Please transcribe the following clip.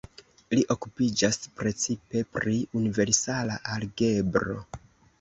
Li okupiĝas precipe pri universala algebro.